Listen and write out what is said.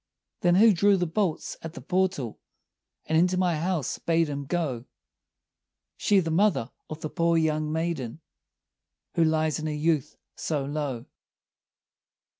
"Then who drew the bolts at the portal, And into my house bade him go?" "She, the mother of the poor young maiden, Who lies in her youth so low."